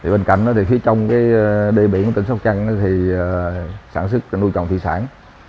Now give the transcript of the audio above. bên cạnh đó phía trong đề biển tỉnh sóc trăng sản xuất nuôi trồng thị sản